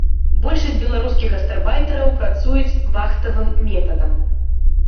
Большасць беларускіх гастарбайтараў працуюць вахтавым метадам.